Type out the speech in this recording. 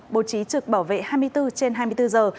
bố trí trực bảo vệ hai mươi bốn trên hai mươi bốn giờ